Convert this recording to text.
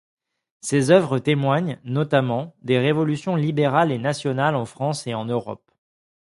Ses œuvres témoignent, notamment, des révolutions libérales et nationales en France et en Europe.